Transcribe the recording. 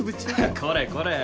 これこれ。